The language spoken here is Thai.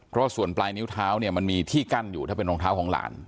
เพราะส่วนปลายนิ้วเท้าเนี่ยมันมีที่กั้นอยู่ถ้าเป็นรองเท้าของหลาน